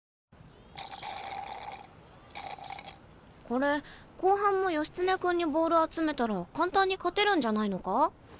これ後半も義経君にボール集めたら簡単に勝てるんじゃないのか？